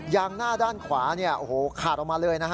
ยางหน้าด้านขวาขาดออกมาเลย